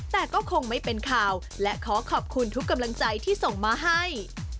แต่ก็คงไม่เป็นข่าวและขอขอบคุณทุกกำลังใจที่ส่งมาให้